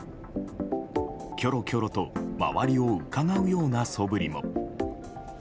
キョロキョロと周りをうかがうようなそぶりも。